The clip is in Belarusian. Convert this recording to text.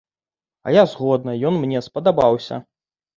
А я згодна, ён мне спадабаўся.